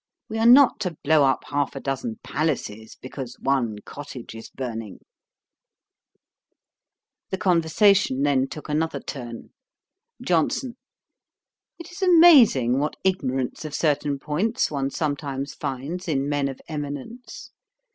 We are not to blow up half a dozen palaces, because one cottage is burning.' The conversation then took another turn. JOHNSON. 'It is amazing what ignorance of certain points one sometimes finds in men of eminence.